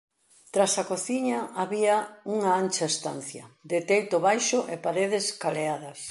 Tras a cociña había un ancha estancia, de teito baixo e paredes caleadas